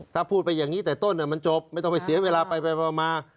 ถ้าพูดไปอย่างนี้แต่ต้นมันจบไม่ต้องไปเสียเวลาไปมา